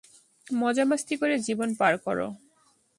মজা মাস্তি করে জীবন পাড় করো।